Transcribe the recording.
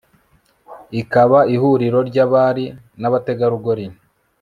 ikaba ihuriro ry'abari n'abategarugori